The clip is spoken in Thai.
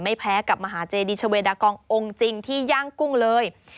แพ้กับมหาเจดีชาเวดากององค์จริงที่ย่างกุ้งเลย